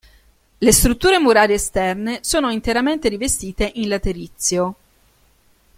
Le strutture murarie esterne sono interamente rivestite in laterizio.